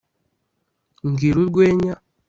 mbwira urwenya